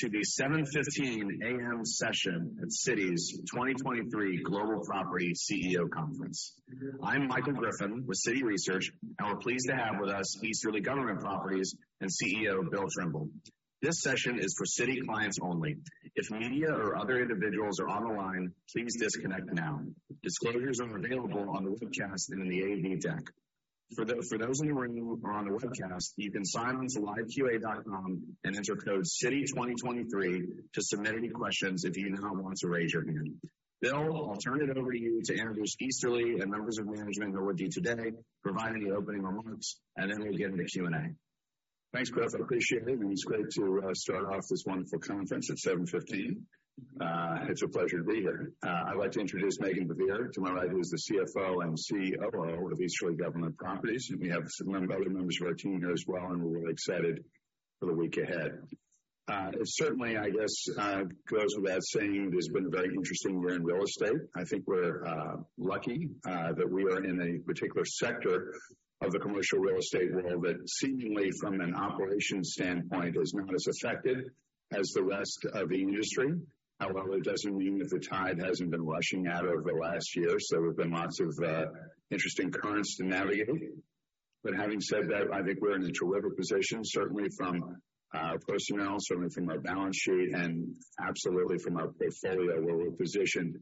To the 7:15 A.M. Session at Citi's 2023 Global Property CEO Conference. I'm Michael Griffin with Citi Research, we're pleased to have with us Easterly Government Properties and CEO, Bill Trimble. This session is for Citi clients only. If media or other individuals are on the line, please disconnect now. Disclosures are available on the webcast and in the AD deck. For those in the room or on the webcast, you can sign on to liveqa.com and enter code Citi 2023 to submit any questions if you do not want to raise your hand. Bill, I'll turn it over to you to introduce Easterly and members of management that are with you today, provide any opening remarks, we'll get into Q&A. Thanks, Griff. I appreciate it. It's great to start off this wonderful conference at 7:15 A.M. It's a pleasure to be here. I'd like to introduce Meghan Baivier to my right, who's the CFO and COO of Easterly Government Properties. We have some other members of our team here as well, and we're really excited for the week ahead. Certainly, I guess, goes without saying, it has been a very interesting year in real estate. I think we're lucky that we are in a particular sector of the commercial real estate world that seemingly from an operations standpoint is not as affected as the rest of the industry. However, it doesn't mean that the tide hasn't been rushing out over the last year. There have been lots of interesting currents to navigate. Having said that, I think we're in a terrific position, certainly from our personnel, certainly from our balance sheet, and absolutely from our portfolio, where we're positioned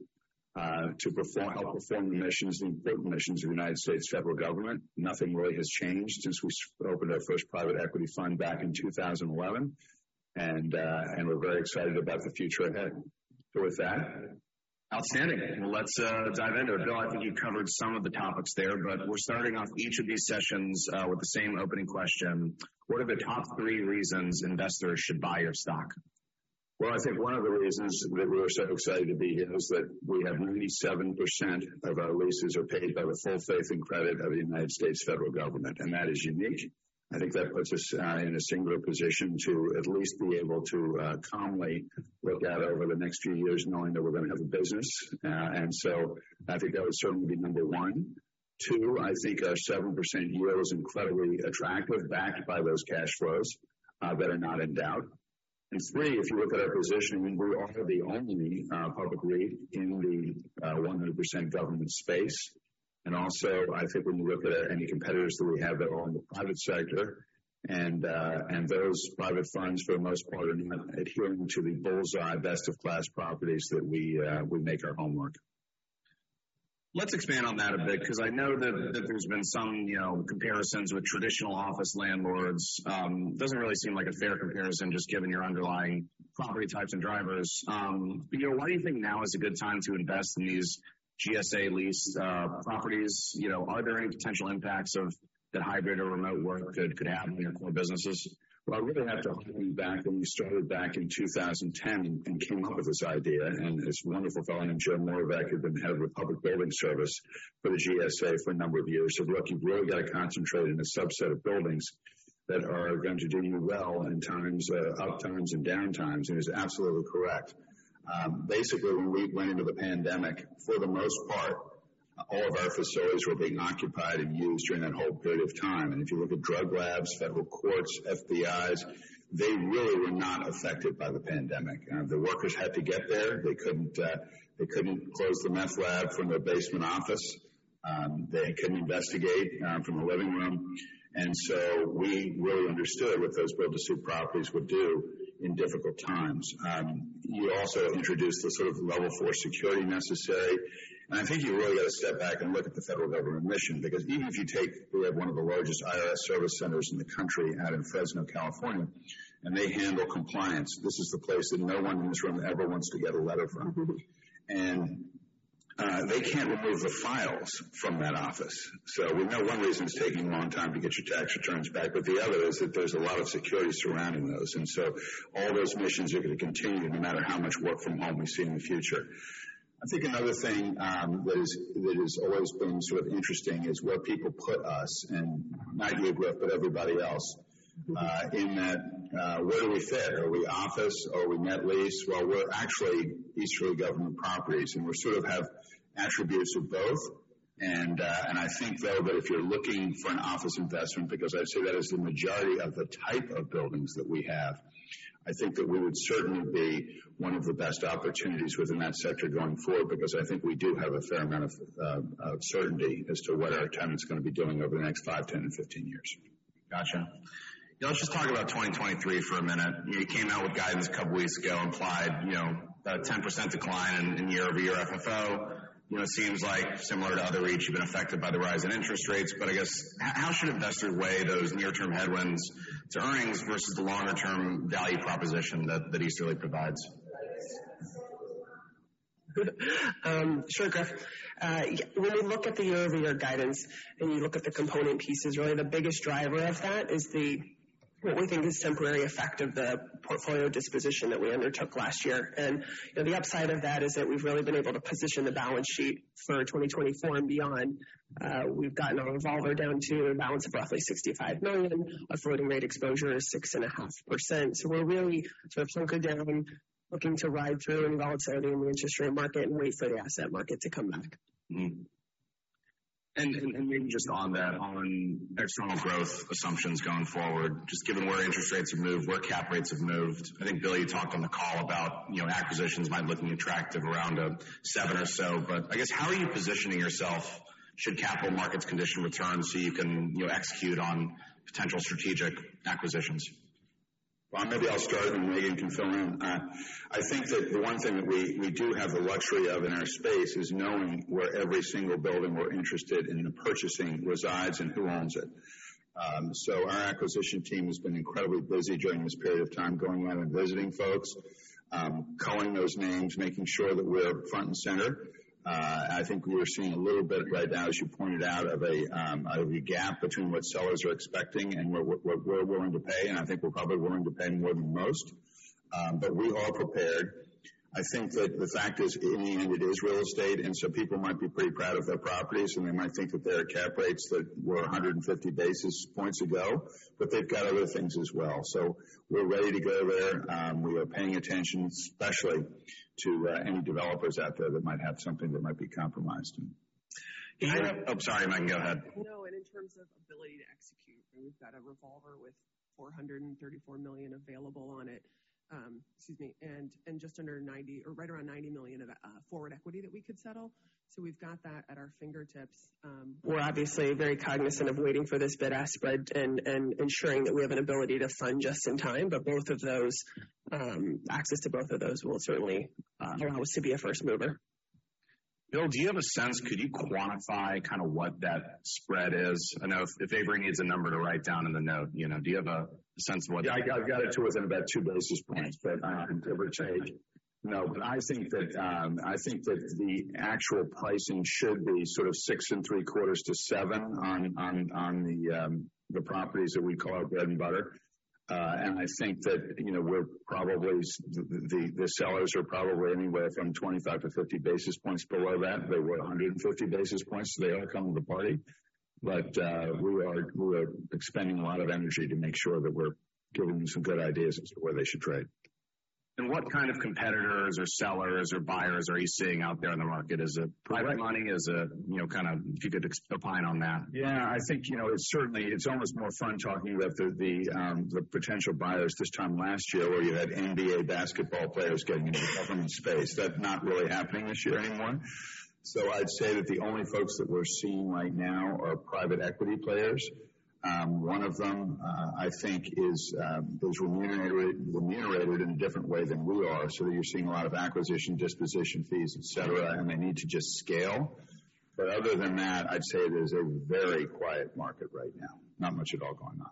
to help perform the missions, important missions of the U.S. Federal government. Nothing really has changed since we opened our first private equity fund back in 2011. We're very excited about the future ahead. With that. Outstanding. Well, let's dive into it. Bill, I think you covered some of the topics there. We're starting off each of these sessions with the same opening question. What are the top three reasons investors should buy your stock? Well, I think one of the reasons that we're so excited to be here is that we have 97% of our leases are paid by the full faith and credit of the U.S. Federal government, and that is unique. I think that puts us in a singular position to at least be able to calmly look out over the next few years knowing that we're going to have a business. I think that would certainly be number one. Two, I think our 7% yield is incredibly attractive, backed by those cash flows that are not in doubt. Three, if you look at our positioning, we are the only public REIT in the 100% government space. Also, I think when you look at any competitors that we have that are in the private sector and those private funds, for the most part, are not adhering to the bull's-eye best of class properties that we make our homework. Let's expand on that a bit because I know that there's been some, you know, comparisons with traditional office landlords. It doesn't really seem like a fair comparison, just given your underlying property types and drivers. You know, why do you think now is a good time to invest in these GSA lease properties? You know, are there any potential impacts of that hybrid or remote work could have on your core businesses? Well, I really have to harken back when we started back in 2010 and came up with this idea. This wonderful gentleman, Jim Norbeck, who'd been Head of the Public Buildings Service for the GSA for a number of years. Look, you've really got to concentrate on a subset of buildings that are going to do you well in terms, upturns and downtimes. He's absolutely correct. Basically, when we went into the pandemic, for the most part, all of our facilities were being occupied and used during that whole period of time. If you look at drug labs, Federal courts, FBIs, they really were not affected by the pandemic. The workers had to get there. They couldn't close the meth lab from their basement office. They couldn't investigate from a living room. We really understood what those build-to-suit properties would do in difficult times. You also introduced the sort of Level 4 Security necessary. I think you really got to step back and look at the Federal government mission, because even We have one of the largest IRS service centers in the country out in Fresno, California, and they handle compliance. This is the place that no one in this room ever wants to get a letter from. Mm-hmm. They can't remove the files from that office. We know one reason it's taking a long time to get your tax returns back, but the other is that there's a lot of security surrounding those. All those missions are going to continue no matter how much work from home we see in the future. I think another thing that has always been sort of interesting is where people put us. Not you, Griff, but everybody else. In that, where do we fit? Are we office? Are we net lease? Well, we're actually Easterly Government Properties, and we sort of have attributes of both. I think, though, that if you're looking for an office investment, because I'd say that is the majority of the type of buildings that we have, I think that we would certainly be one of the best opportunities within that sector going forward. I think we do have a fair amount of certainty as to what our tenants are gonna be doing over the next five, 10, and 15 years. Gotcha. Let's just talk about 2023 for a minute. You came out with guidance a couple weeks ago, implied, you know, a 10% decline in year-over-year FFO. You know, it seems like similar to other REITs, you've been affected by the rise in interest rates, but I guess how should investors weigh those near-term headwinds to earnings versus the longer-term value proposition that Easterly provides? Sure, Griff. Yeah, when you look at the year-over-year guidance and you look at the component pieces, really the biggest driver of that is what we think is temporary effect of the portfolio disposition that we undertook last year. You know, the upside of that is that we've really been able to position the balance sheet for 2024 and beyond. We've gotten our revolver down to a balance of roughly $65 million. Our floating rate exposure is 6.5%. We're really sort of hunkered down, looking to ride through any volatility in the interest rate market and wait for the asset market to come back. Mm-hmm. Maybe just on that, on external growth assumptions going forward, just given where interest rates have moved, where cap rates have moved. I think, Bill, you talked on the call about, you know, acquisitions might look attractive around 7% or so. I guess, how are you positioning yourself should capital markets condition return so you can, you know, execute on potential strategic acquisitions? Maybe I'll start and Meghan can fill in. I think that the one thing that we do have the luxury of in our space is knowing where every single building we're interested in purchasing resides and who owns it. Our acquisition team has been incredibly busy during this period of time, going out and visiting folks, calling those names, making sure that we're front and center. I think we're seeing a little bit right now, as you pointed out, of a gap between what sellers are expecting and what we're willing to pay, and I think we're probably willing to pay more than most. We are prepared. I think that the fact is, in the end, it is real estate, and so people might be pretty proud of their properties, and they might think that there are cap rates that were 150 basis points ago, but they've got other things as well. We're ready to go there. We are paying attention, especially to any developers out there that might have something that might be compromised. Oh, sorry, Meghan, go ahead. No, in terms of ability to execute, we've got a revolver with $434 million available on it, excuse me, and just under 90 or right around $90 million of forward equity that we could settle. We've got that at our fingertips. We're obviously very cognizant of waiting for this bid-ask spread and ensuring that we have an ability to fund just in time. Both of those, access to both of those will certainly allow us to be a first mover. Bill, do you have a sense, could you quantify kind of what that spread is? I know if Avery needs a number to write down in the note, you know, do you have a sense of what- Yeah, I got it to within about 2 basis points. No, but I think that, I think that the actual pricing should be sort of 6.75-7 on the properties that we call our bread and butter. I think that, you know, we're probably the sellers are probably anywhere from 25-50 basis points below that. They were 150 basis points, so they are coming to the party. We are expending a lot of energy to make sure that we're giving them some good ideas as to where they should trade. What kind of competitors or sellers or buyers are you seeing out there in the market? Is it private money? Is it, you know, kind of if you could expound on that. Yeah, I think, you know, it's certainly, it's almost more fun talking about the potential buyers this time last year, where you had NBA basketball players getting into the government space. That's not really happening this year anymore. I'd say that the only folks that we're seeing right now are private equity players. One of them, I think is remunerated in a different way than we are. You're seeing a lot of acquisition, disposition fees, et cetera, and they need to just scale. Other than that, I'd say it is a very quiet market right now. Not much at all going on.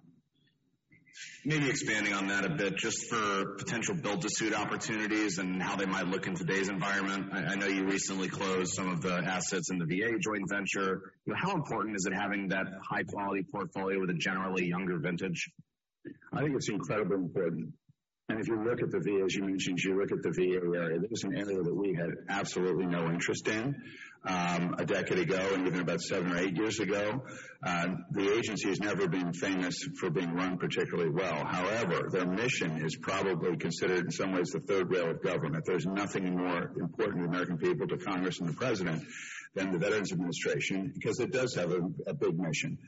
Maybe expanding on that a bit, just for potential build-to-suit opportunities and how they might look in today's environment. I know you recently closed some of the assets in the VA joint venture. How important is it having that high-quality portfolio with a generally younger vintage? I think it's incredibly important. If you look at the VA, as you mentioned, you look at the VA area. This is an area that we had absolutely no interest in, a decade ago, and even about seven or eight years ago. The agency has never been famous for being run particularly well. However, their mission is probably considered in some ways the third rail of government. There's nothing more important to the American people, to Congress and the President than the Veterans Administration, because it does have a big mission.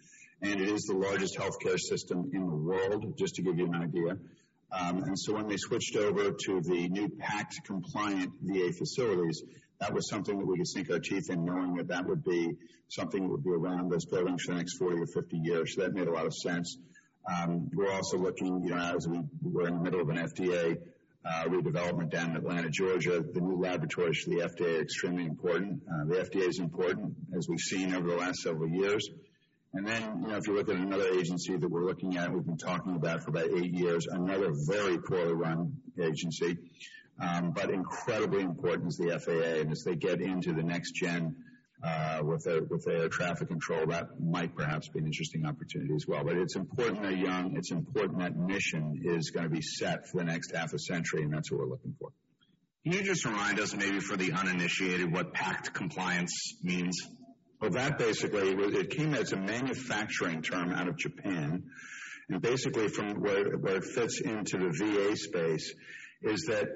It is the largest healthcare system in the world, just to give you an idea. When they switched over to the new PACT compliant VA facilities, that was something that we could sink our teeth in, knowing that that would be something that would be around us building for the next 40 or 50 years. That made a lot of sense. We're also looking, you know, as we're in the middle of an FDA redevelopment down in Atlanta, Georgia. The new laboratory to the FDA extremely important. The FDA is important, as we've seen over the last several years. Then, you know, if you look at another agency that we're looking at, we've been talking about for about eight years, another very poorly run agency, but incredibly important is the FAA. As they get into the NextGen with their air traffic control, that might perhaps be an interesting opportunity as well. It's important they're young, it's important that mission is going to be set for the next half a century, and that's what we're looking for. Can you just remind us, maybe for the uninitiated, what PACT compliance means? Well, that basically, it came as a manufacturing term out of Japan. Basically from where it fits into the VA space is that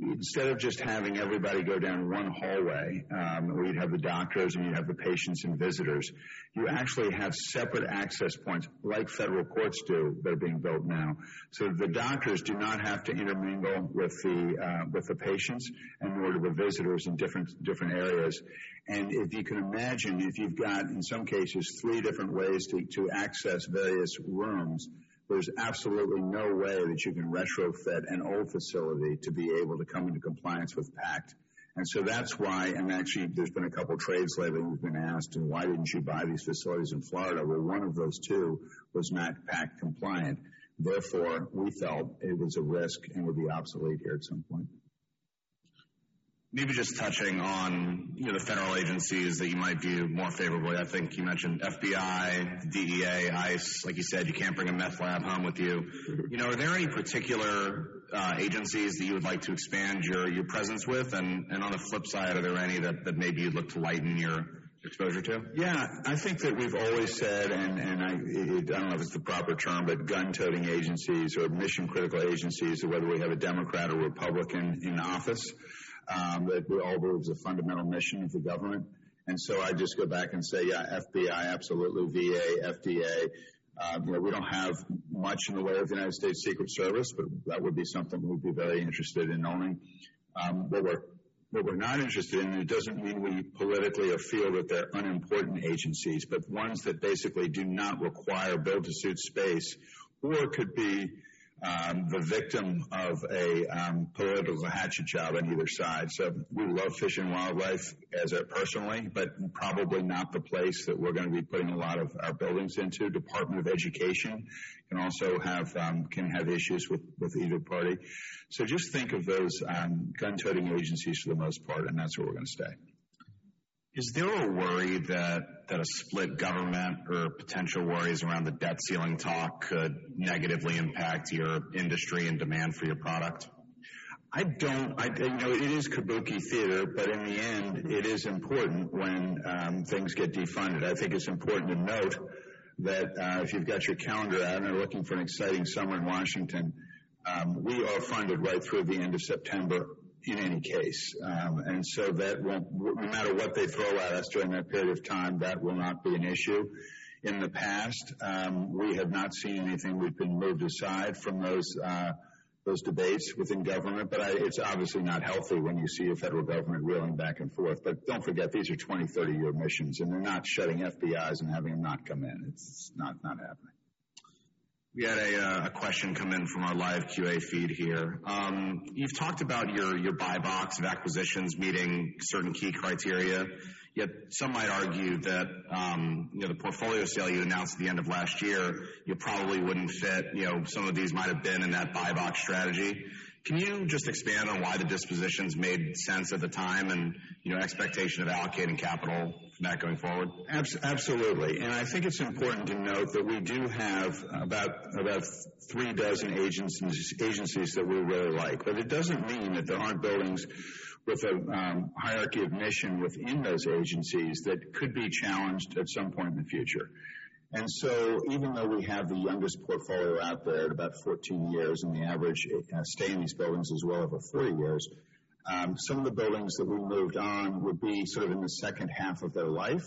instead of just having everybody go down one hallway, where you'd have the doctors and you have the patients and visitors, you actually have separate access points like Federal courts do that are being built now. The doctors do not have to intermingle with the patients in order for visitors in different areas. If you can imagine, if you've got, in some cases, three different ways to access various rooms, there's absolutely no way that you can retrofit an old facility to be able to come into compliance with PACT. That's why, and actually there's been a couple of trades lately, we've been asked, "Why didn't you buy these facilities in Florida?" Well, one of those two was not PACT compliant. Therefore, we felt it was a risk and would be obsolete here at some point. Maybe just touching on, you know, the Federal agencies that you might view more favorably. I think you mentioned FBI, DEA, ICE. Like you said, you can't bring a meth lab home with you. Particular agencies that you would like to expand your presence with? On the flip side, are there any that maybe you'd look to lighten your exposure to? Yeah. I think that we've always said, I don't know if it's the proper term, but gun-toting agencies or mission-critical agencies, whether we have a Democrat or Republican in office, that we all believe is a fundamental mission of the government. I'd just go back and say, yeah, FBI, absolutely, VA, FDA, you know, we don't have much in the way of United States Secret Service, but that would be something we'd be very interested in owning. What we're not interested in, and it doesn't mean we politically or feel that they're unimportant agencies, but ones that basically do not require build-to-suit space or could be the victim of a political hatchet job on either side. We love Fish and Wildlife as a personally, but probably not the place that we're gonna be putting a lot of our buildings into. Department of Education can also have issues with either party. Just think of those gun-toting agencies for the most part, and that's where we're gonna stay. Is there a worry that a split government or potential worries around the debt ceiling talk could negatively impact your industry and demand for your product? I don't. I, you know, it is Kabuki theater. In the end, it is important when things get defunded. I think it's important to note that if you've got your calendar out and are looking for an exciting summer in Washington, we are funded right through the end of September in any case. No matter what they throw at us during that period of time, that will not be an issue. In the past, we have not seen anything we've been moved aside from those debates within government. It's obviously not healthy when you see a Federal government rolling back and forth. Don't forget, these are 20, 30-year missions, and they're not shutting FBIs and having them not come in. It's not happening. We had a question come in from our live QA feed here. You've talked about your buy box of acquisitions meeting certain key criteria. Yet some might argue that, you know, the portfolio sale you announced at the end of last year, you probably wouldn't fit. You know, some of these might have been in that buy box strategy. Can you just expand on why the dispositions made sense at the time and, you know, expectation of allocating capital from that going forward? Absolutely. I think it's important to note that we do have about three dozen agencies that we really like. It doesn't mean that there aren't buildings with a hierarchy of mission within those agencies that could be challenged at some point in the future. Even though we have the youngest portfolio out there at about 14 years, and the average stay in these buildings is well over 40 years, some of the buildings that we moved on would be sort of in the second half of their life.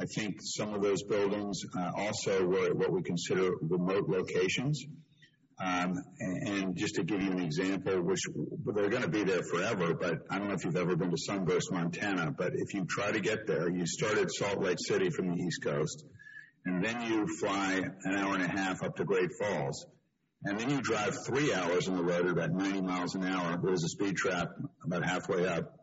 I think some of those buildings also were at what we consider remote locations. And just to give you an example, which they're gonna be there forever, but I don't know if you've ever been to Sunburst, Montana. If you try to get there, you start at Salt Lake City from the East Coast, and then you fly one and a half hours up to Great Falls, and then you drive three hours on the road about 90 miles an hour. There's a speed trap about halfway up,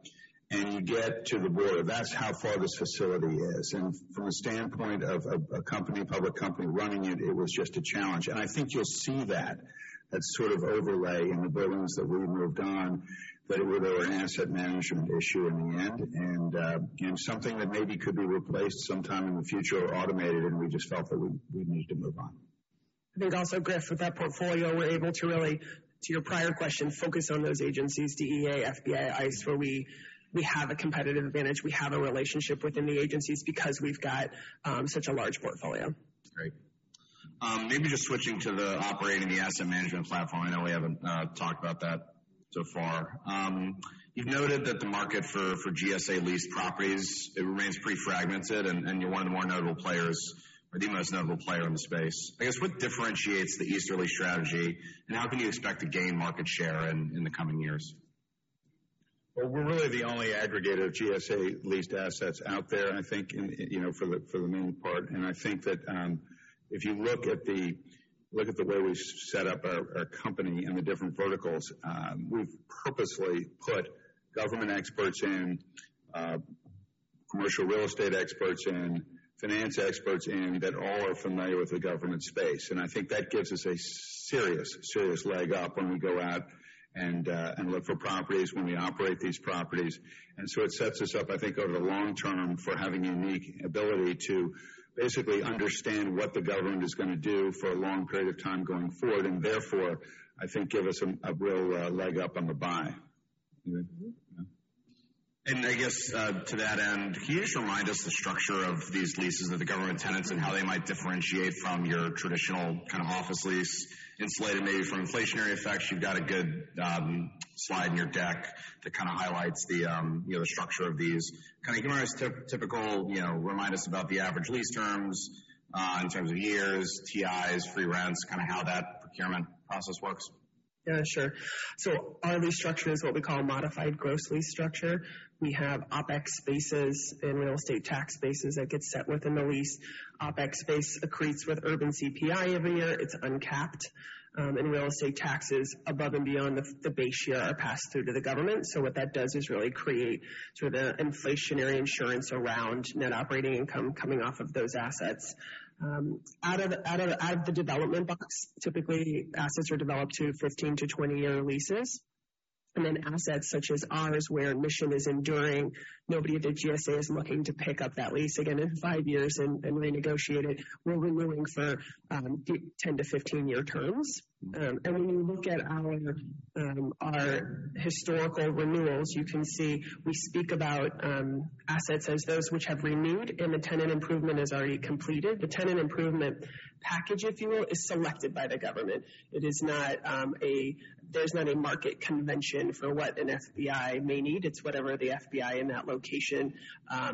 and you get to the border. That's how far this facility is. From the standpoint of a company, a public company running it was just a challenge. I think you'll see that sort of overlay in the buildings that we moved on, there were an asset management issue in the end and something that maybe could be replaced sometime in the future or automated, and we just felt that we needed to move on. I think also, Griff, with that portfolio, we're able to really, to your prior question, focus on those agencies, DEA, FBI, ICE, where we have a competitive advantage. We have a relationship within the agencies because we've got such a large portfolio. Great. Maybe just switching to the operating the asset management platform. I know we haven't talked about that so far. You've noted that the market for GSA leased properties, it remains pretty fragmented, and you're one of the more notable players or the most notable player in the space. I guess, what differentiates the Easterly strategy, and how can you expect to gain market share in the coming years? Well, we're really the only aggregator of GSA-leased assets out there, I think, and, you know, for the most part. I think that if you look at the way we set up our company and the different verticals, we've purposely put government experts in, commercial real estate experts in, finance experts in, that all are familiar with the government space. I think that gives us a serious leg up when we go out and look for properties when we operate these properties. It sets us up, I think, over the long term for having a unique ability to basically understand what the government is gonna do for a long period of time going forward, and therefore, I think, give us a real leg up on the buy. You good? Mm-hmm. I guess, to that end, can you just remind us the structure of these leases with the Government tenants and how they might differentiate from your traditional kind of office lease insulated maybe from inflationary effects? You've got a good slide in your deck that kind of highlights the, you know, the structure of these. Can you give us typical, you know, remind us about the average lease terms, in terms of years, TIs, free rents, kind of how that procurement process works. Yeah, sure. Our lease structure is what we call a modified gross lease structure. We have OpEx bases and real estate tax bases that get set within the lease. OpEx base accretes with urban CPI every year. It's uncapped. Real estate taxes above and beyond the base year are passed through to the government. What that does is really create sort of inflationary insurance around net operating income coming off of those assets. Out of the development box, typically assets are developed to 15-20-year leases. Assets such as ours, where mission is enduring. Nobody at the GSA is looking to pick up that lease again in five years and renegotiate it. We're renewing for 10-15-year terms. When you look at our historical renewals, you can see we speak about assets as those which have renewed and the tenant improvement is already completed. The tenant improvement package, if you will, is selected by the government. It is not, there's not a market convention for what an FBI may need. It's whatever the FBI in that location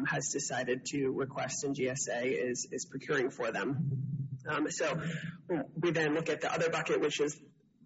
has decided to request, and GSA is procuring for them. We then look at the other bucket, which is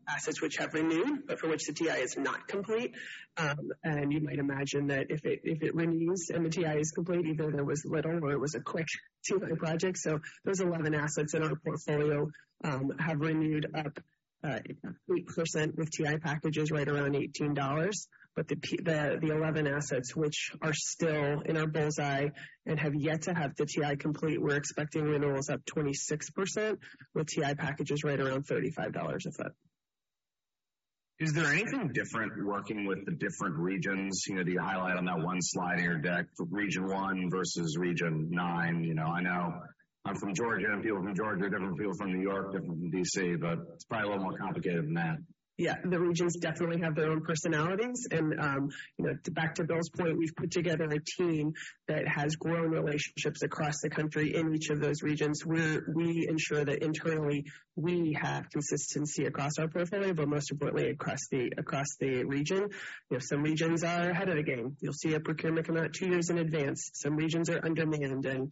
assets which have renewed, but for which the TI is not complete. You might imagine that if it renews and the TI is complete, either there was little or it was a quick two-by project. Those 11 assets in our portfolio have renewed up 8% with TI packages right around $18. The 11 assets which are still in our bull's eye and have yet to have the TI complete, we're expecting renewals up 26% with TI packages right around $35 a foot. Is there anything different working with the different regions? You know, the highlight on that one slide in your deck, region one versus region nine. You know, I know I'm from Georgia, and people from Georgia are different from people from New York, different from D.C., but it's probably a little more complicated than that. Yeah, the regions definitely have their own personalities. You know, back to Bill's point, we've put together a team that has grown relationships across the country in each of those regions where we ensure that internally we have consistency across our portfolio, but most importantly, across the region. You know, some regions are ahead of the game. You'll see a procurement come out two years in advance. Some regions are under the hand, and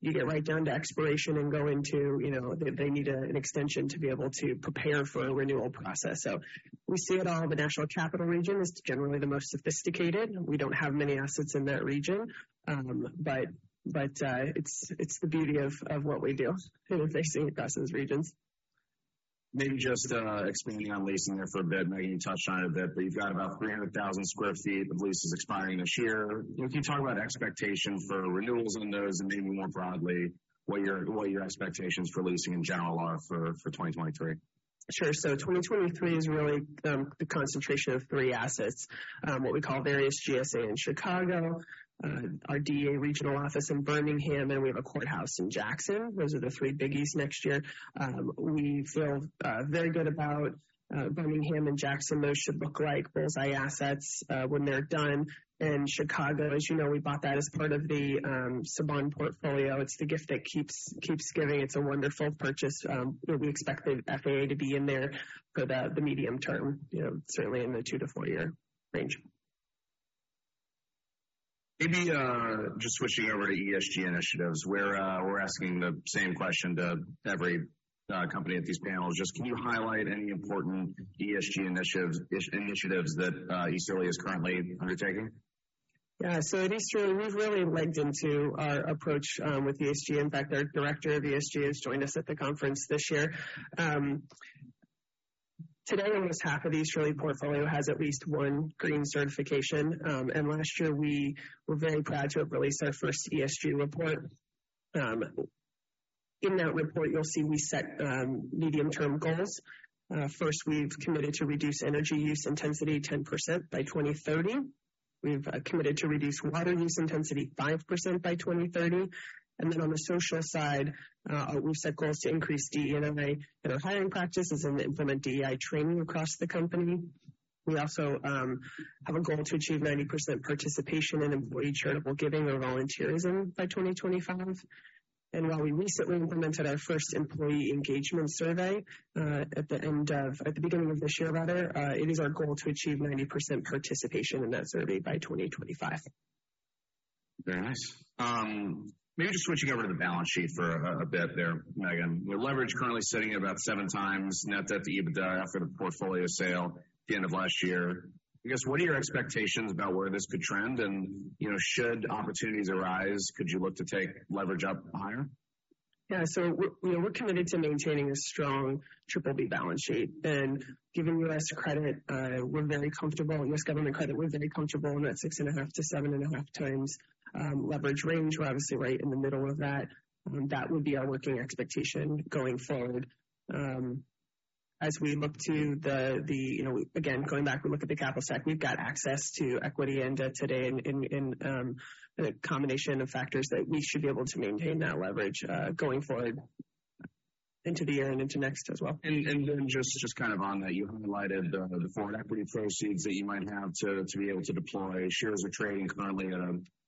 you get right down to expiration and go into, you know, they need an extension to be able to prepare for a renewal process. We see it all. The National Capital Region is generally the most sophisticated. We don't have many assets in that region. It's the beauty of what we do is they see it across those regions. Maybe just, expanding on leasing there for a bit. Meghan, you touched on it a bit, but you've got about 300,000 sq ft of leases expiring this year. Can you talk about expectations for renewals in those and maybe more broadly, what your expectations for leasing in general are for 2023? Sure. 2023 is really the concentration of three assets. What we call various GSA in Chicago, our DEA regional office in Birmingham, and we have a courthouse in Jackson. Those are the three biggies next year. We feel very good about Birmingham and Jackson. Those should look like bull's eye assets when they're done. Chicago, as you know, we bought that as part of the Saban portfolio. It's the gift that keeps giving. It's a wonderful purchase. We expect the FAA to be in there for the medium term, you know, certainly in the two to four year range. Maybe, just switching over to ESG initiatives, we're asking the same question to every company at these panels. Just can you highlight any important ESG initiatives that Easterly is currently undertaking? Yeah. At Easterly, we've really legged into our approach with ESG. In fact, our director of ESG has joined us at the conference this year. Today, almost half of the Easterly portfolio has at least one green certification. Last year we were very proud to have released our first ESG report. In that report you'll see we set medium term goals. First, we've committed to reduce energy use intensity 10% by 2030. We've committed to reduce water use intensity 5% by 2030. On the social side, we've set goals to increase DE&I in our hiring practices and implement DE&I training across the company. We also have a goal to achieve 90% participation in employee charitable giving or volunteerism by 2025. While we recently implemented our first employee engagement survey, at the beginning of this year, rather, it is our goal to achieve 90% participation in that survey by 2025. Very nice. Maybe just switching over to the balance sheet for a bit there, Meghan. With leverage currently sitting at about seven times net debt to EBITDA after the portfolio sale at the end of last year, I guess, what are your expectations about where this could trend? You know, should opportunities arise, could you look to take leverage up higher? Yeah. We're, you know, we're committed to maintaining a strong BBB balance sheet. Given U.S. credit, we're very comfortable. In U.S. government credit, we're very comfortable in that 6.5x-7.5x leverage range. We're obviously right in the middle of that. That would be our working expectation going forward. As we look to the, you know, again, going back, we look at the capital stack. We've got access to equity and debt today and the combination of factors that we should be able to maintain that leverage going forward into the year and into next as well. Just kind of on that, you highlighted the forward equity proceeds that you might have to be able to deploy. Shares are trading currently at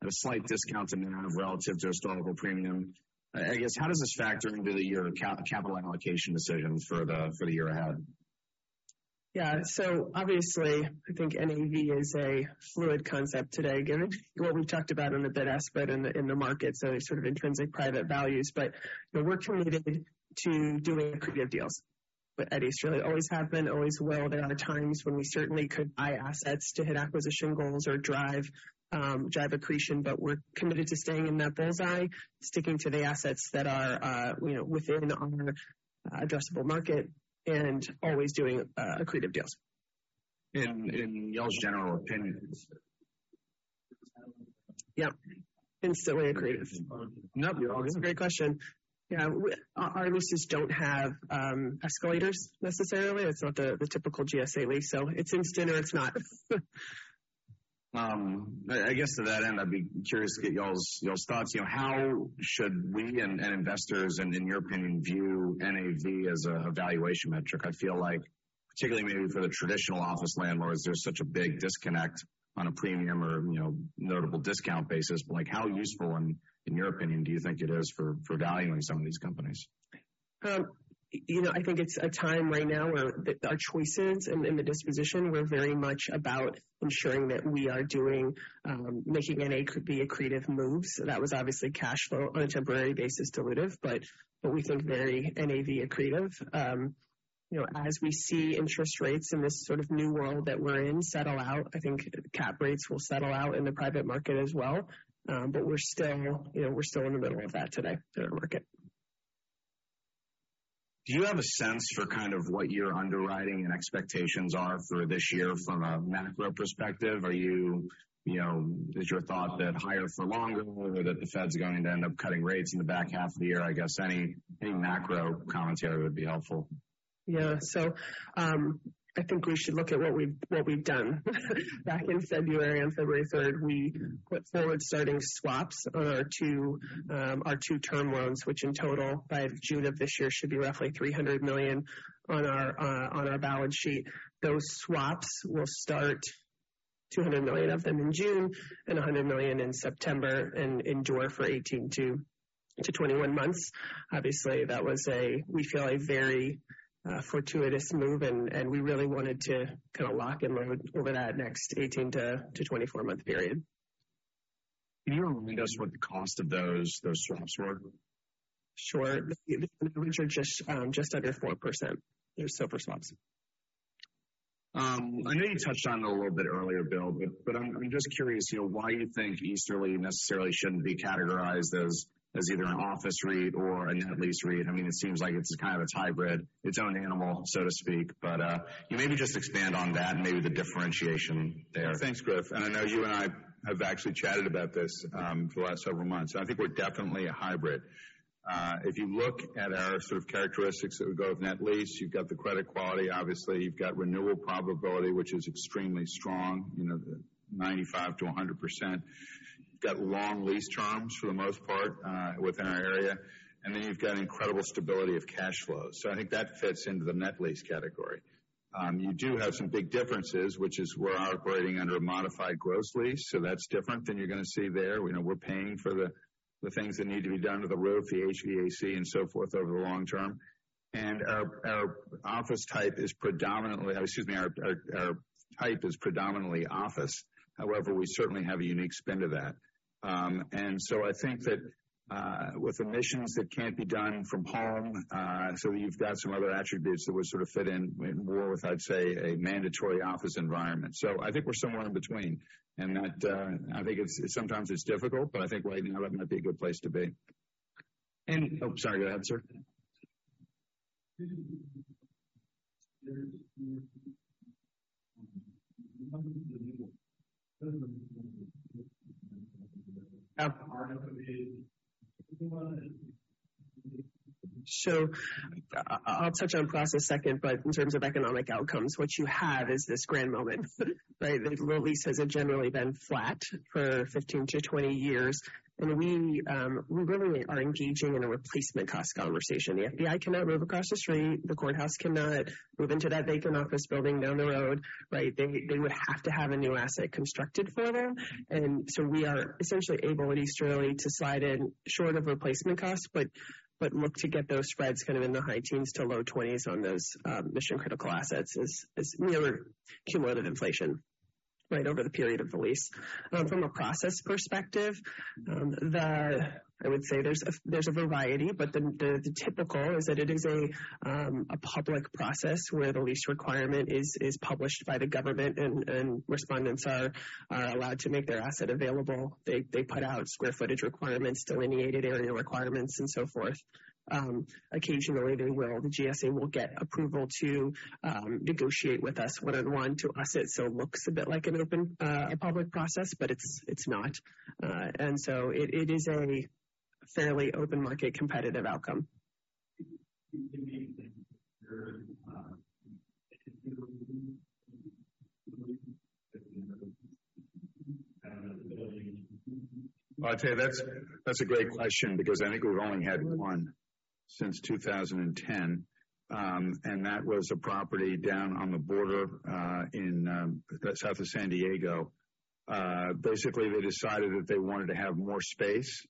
a slight discount to NAV relative to a historical premium. I guess, how does this factor into your capital allocation decisions for the year ahead? Yeah. Obviously I think NAV is a fluid concept today, given what we've talked about in the bid-ask spread in the market. Sort of intrinsic private values. You know, we're committed to doing accretive deals at Easterly. Always have been, always will. There are times when we certainly could buy assets to hit acquisition goals or drive accretion. We're committed to staying in that bull's-eye, sticking to the assets that are, you know, within our addressable market and always doing accretive deals. In y'all's general opinions. Yep. Instantly accretive. Nope, that's a great question. Yeah, our leases don't have escalators necessarily. It's not the typical GSA lease, it's instant or it's not. I guess to that end, I'd be curious to get y'all's thoughts. You know, how should we and investors and, in your opinion, view NAV as a valuation metric? I feel like particularly maybe for the traditional office landlords, there's such a big disconnect on a premium or, you know, notable discount basis. Like, how useful and, in your opinion, do you think it is for valuing some of these companies? You know, I think it's a time right now where our choices and the disposition were very much about ensuring that we are doing, making NAV accretive moves. That was obviously cash flow on a temporary basis dilutive, but we think very NAV accretive. You know, as we see interest rates in this sort of new world that we're in settle out, I think cap rates will settle out in the private market as well. We're still, you know, in the middle of that today in the market. Do you have a sense for kind of what your underwriting and expectations are for this year from a macro perspective? Are you know, is your thought that higher for longer or that the Fed's going to end up cutting rates in the back half of the year? I guess any macro commentary would be helpful. Yeah. I think we should look at what we've done. Back in February, on February 3rd, we put forward starting swaps on our two term loans, which in total by June of this year should be roughly $300 million on our balance sheet. Those swaps will start $200 million of them in June and $100 million in September and endure for 18-21 months. Obviously, that was we feel a very fortuitous move, and we really wanted to kind of lock and load over that next 18-24-month period. Can you remind us what the cost of those swaps were? Sure. The rates are just under 4%. They're swaps. I know you touched on it a little bit earlier, Bill, but I'm just curious, you know, why you think Easterly necessarily shouldn't be categorized as either an office REIT or a net lease REIT. I mean, it seems like it's kind of its hybrid, its own animal, so to speak. Can you maybe just expand on that and maybe the differentiation there? Thanks, Griff. I know you and I have actually chatted about this for the last several months. I think we're definitely a hybrid. If you look at our sort of characteristics that would go with net lease, you've got the credit quality, obviously. You've got renewal probability, which is extremely strong, you know, 95%-100%. You've got long lease terms for the most part within our area. You've got incredible stability of cash flows. I think that fits into the net lease category. You do have some big differences, which is we're operating under a modified gross lease, so that's different than you're gonna see there. You know, we're paying for the things that need to be done to the roof, the HVAC and so forth over the long term. Our office type is predominantly... Excuse me, our type is predominantly office. However, we certainly have a unique spin to that. I think that with the missions that can't be done from home, you've got some other attributes that would sort of fit in more with, I'd say, a mandatory office environment. I think we're somewhere in between. That, I think sometimes it's difficult, but I think right now that might be a good place to be. Oh, sorry, go ahead, sir. I'll touch on process second, but in terms of economic outcomes, what you have is this grand moment, right? The lease has generally been flat for 15-20 years. We really are engaging in a replacement cost conversation. The FBI cannot move across the street. The courthouse cannot move into that vacant office building down the road, right? They would have to have a new asset constructed for them. We are essentially able at Easterly to slide in short of replacement costs, but look to get those spreads kind of in the high teens to low 20s on those mission-critical assets as we have a cumulative inflation right over the period of the lease. From a process perspective, I would say there's a variety, but the typical is that it is a public process where the lease requirement is published by the government and respondents are allowed to make their asset available. They put out square footage requirements, delineated area requirements, and so forth. Occasionally the GSA will get approval to negotiate with us one-on-one to asset. It looks a bit like an open, a public process, but it's not. It is a fairly open market competitive outcome. I'd say that's a great question because I think we've only had one since 2010, and that was a property down on the border in south of San Diego. Basically, they decided that they wanted to have more space,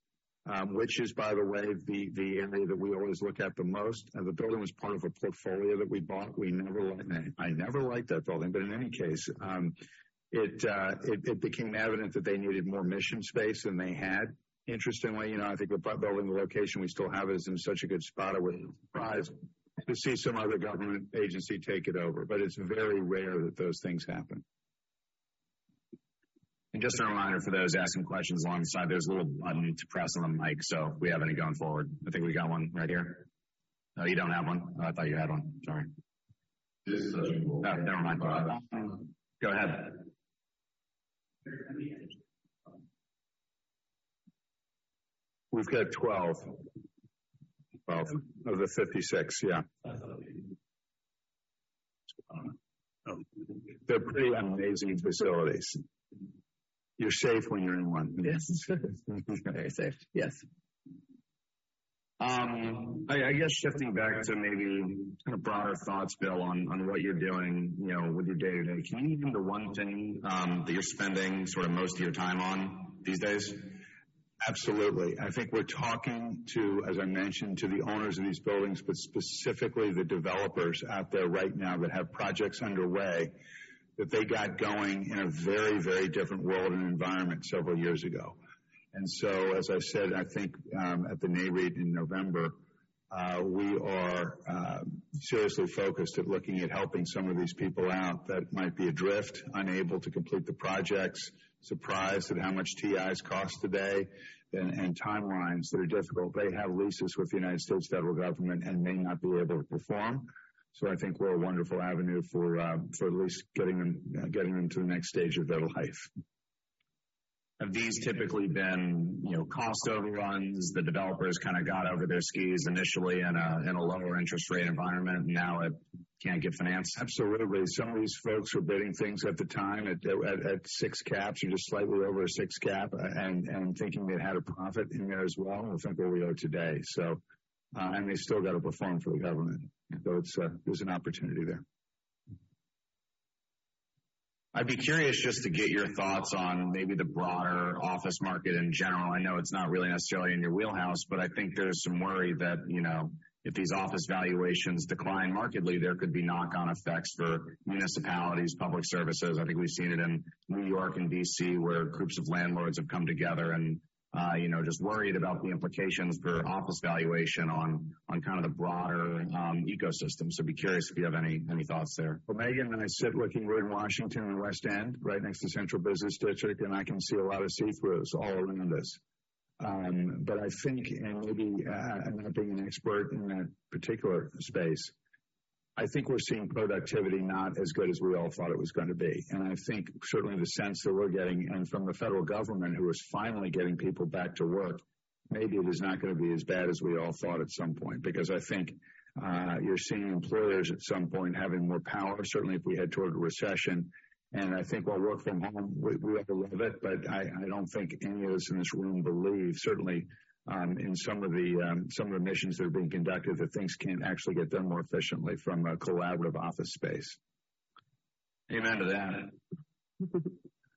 which is, by the way, the area that we always look at the most. The building was part of a portfolio that we bought. We never liked that. I never liked that building, but in any case, it became evident that they needed more mission space than they had. Interestingly, you know, I think the building, the location we still have it is in such a good spot, I wouldn't be surprised to see some other government agency take it over. It's very rare that those things happen. Just a reminder for those asking questions alongside, there's a little button you need to press on the mic, so if we have any going forward. I think we got one right here. Oh, you don't have one. Oh, I thought you had one. Sorry. This session. Oh, never mind. Go ahead. We've got 12. 12 of the 56. Yeah. They're pretty amazing facilities. You're safe when you're in one. Yes. Very safe. Yes. I guess shifting back to maybe kind of broader thoughts, Bill, on what you're doing, you know, with your day-to-day. Can you give me the one thing that you're spending sort of most of your time on these days? Absolutely. I think we're talking to, as I mentioned, to the owners of these buildings, but specifically the developers out there right now that have projects underway that they got going in a very, very different world and environment several years ago. As I said, I think, at the Nareit in November, we are seriously focused at looking at helping some of these people out that might be adrift, unable to complete the projects, surprised at how much TIs cost today, and timelines that are difficult. They have leases with the U.S. Federal government and may not be able to perform. I think we're a wonderful avenue for at least getting them to the next stage of their life. Have these typically been, you know, cost overruns? The developers kinda got over their skis initially in a, in a lower interest rate environment, now it can't get financed? Absolutely. Some of these folks were bidding things at the time at six caps or just slightly over a six cap and thinking they had a profit in there as well with where we are today. They still got to perform for the Government. It's there's an opportunity there. I'd be curious just to get your thoughts on maybe the broader office market in general. I know it's not really necessarily in your wheelhouse, but I think there's some worry that, you know, if these office valuations decline markedly, there could be knock-on effects for municipalities, public services. I think we've seen it in New York and D.C., where groups of landlords have come together and, you know, just worried about the implications for office valuation on kind of the broader ecosystem. Be curious if you have any thoughts there. Meghan and I sit looking right in Washington and West End, right next to Central Business District. I can see a lot of see-throughs all around us. I think, not being an expert in that particular space, I think we're seeing productivity not as good as we all thought it was gonna be. I think certainly in the sense that we're getting and from the Federal Government who is finally getting people back to work, maybe it is not gonna be as bad as we all thought at some point. You're seeing employers at some point having more power, certainly if we head toward a recession. I think while work from home, we all love it, but I don't think any of us in this room believe, certainly, in some of the missions that are being conducted, that things can't actually get done more efficiently from a collaborative office space. Amen to that.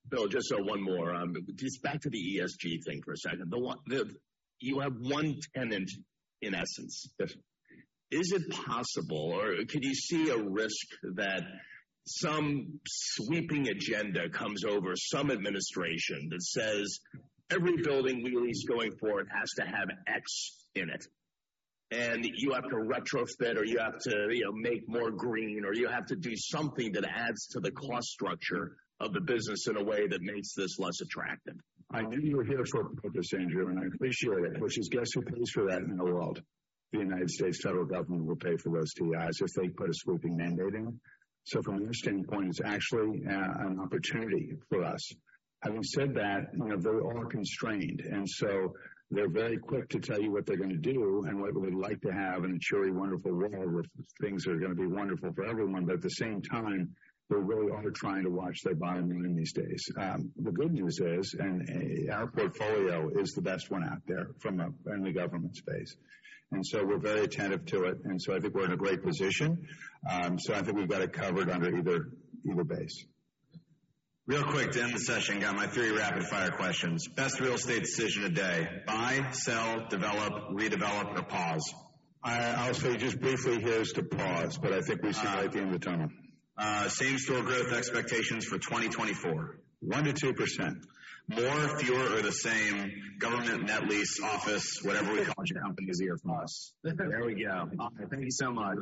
Bill, just one more. Just back to the ESG thing for a second. You have one tenant, in essence. Is it possible, or could you see a risk that some sweeping agenda comes over some administration that says, "Every building we lease going forward has to have X in it," and you have to retrofit or you have to, you know, make more green, or you have to do something that adds to the cost structure of the business in a way that makes this less attractive. I knew you were here for a purpose, Andrew, and I appreciate it, which is guess who pays for that in the world. The U.S. Federal government will pay for those TIs if they put a sweeping mandate in. From their standpoint, it's actually an opportunity for us. Having said that, you know, they are constrained, they're very quick to tell you what they're gonna do and what they would like to have in a cheery, wonderful world where things are gonna be wonderful for everyone. They really are trying to watch their bottom line these days. The good news is, our portfolio is the best one out there in the Government space. We're very attentive to it. I think we're in a great position. I think we've got it covered under either base. Real quick to end the session, got my three rapid-fire questions. Best real estate decision today: buy, sell, develop, redevelop, or pause? I'll say just briefly here is to pause. I think we see light at the end of the tunnel. Same-store growth expectations for 2024. 1%-2%. More, fewer, or the same government net lease, office, whatever we call it. Easier for us. There we go. Thank you so much.